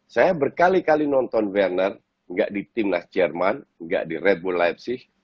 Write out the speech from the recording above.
saya berkali kali nonton werner tidak di tim nats german tidak di red bull leipzig